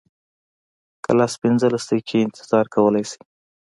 که لس پنځلس دقیقې انتظار کولی شې.